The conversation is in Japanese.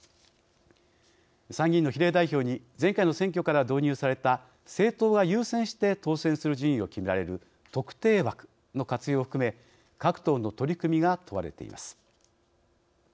参議院の比例代表に前回の選挙から導入された政党が優先して当選する順位を決められる特定枠の活用を含め各党の取り組みが問われています。